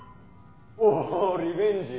おおリベンジ？